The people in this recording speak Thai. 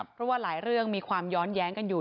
เพราะว่าหลายเรื่องมีความย้อนแย้งกันอยู่